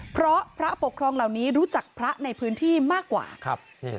เพราะพระปกครองเหล่านี้รู้จักพระในพื้นที่มากกว่าครับ